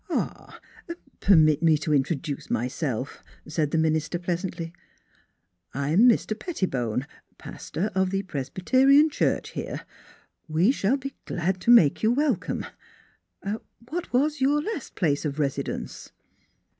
" Er permit me to introduce myself," said the minister pleasantly: "I am Mr. Pettibone, pastor of the Presbyterian Church here. We shall be glad to make you welcome. Er what was your last place of residence?